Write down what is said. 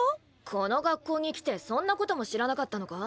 この学校に来てそんなことも知らなかったのか？